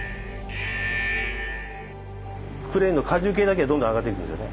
クレーンの荷重計だけがどんどん上がっていくんですよね。